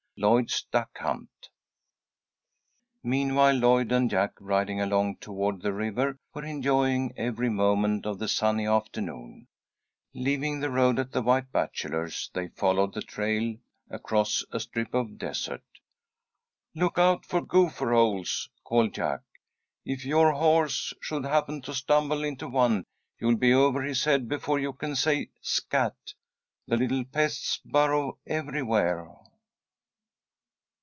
LLOYD'S DUCK HUNT MEANWHILE, Lloyd and Jack, riding along toward the river, were enjoying every moment of the sunny afternoon. Leaving the road at the White Bachelor's, they followed the trail across a strip of desert. [Illustration: "ENJOYING EVERY MOMENT OF THE SUNNY AFTERNOON"] "Look out for gopher holes," called Jack. "If your horse should happen to stumble into one, you'll be over his head before you can say 'scat.' The little pests burrow everywhere."